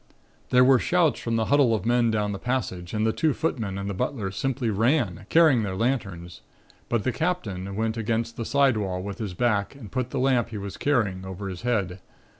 "There were shouts from the huddle of men down the passage and the two footmen and the butler simply ran, carrying their lanterns, but the Captain went against the side wall with his back and put the lamp he was carrying over his head.